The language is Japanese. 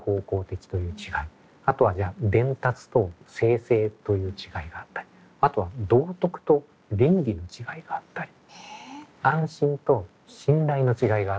あとは伝達と生成という違いがあったりあとは道徳と倫理の違いがあったり安心と信頼の違いがあったりとか。